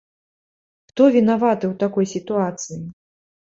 Хто вінаваты у такой сітуацыі?